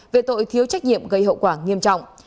về tội thiếu trách nhiệm gây hậu quả nghiêm trọng